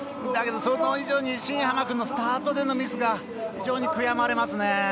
だけど、それ以上に新濱君のスタートでのミスが非常に悔やまれますね。